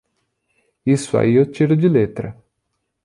Isso aí eu tiro de letra!